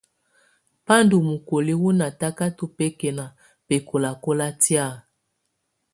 Ba ndù mokoli wù natakatɔ bɛkɛna bɛkɔlakɔla tɛ̀á.